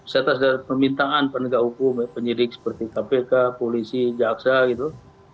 saya atas permintaan penegak hukum penyidik seperti kpk polisi jaksa gitu